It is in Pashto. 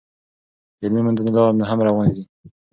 علمي موندنې لا هم روانې دي.